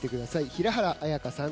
平原綾香さん